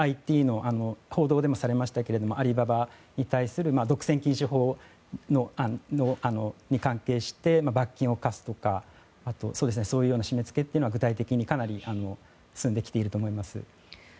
報道でもされましたけどＩＴのアリババに対する独占禁止法に関係して罰金を科すとかそういう締め付けは具体的にかなり進んできていると思います。